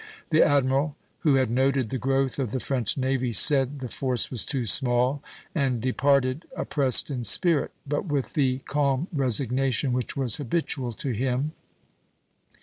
The admiral, who had noted the growth of the French navy, said the force was too small, and departed oppressed in spirit, but with the calm resignation which was habitual to him.